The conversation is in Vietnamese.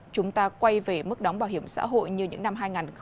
chúng ta quay về mức đóng bảo hiểm xã hội như những năm hai nghìn chín